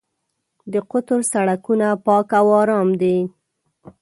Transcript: د قطر سړکونه پاک او ارام دي.